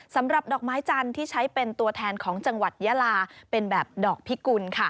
สำหรับดอกไม้จันทร์ที่ใช้เป็นตัวแทนของจังหวัดยาลาเป็นแบบดอกพิกุล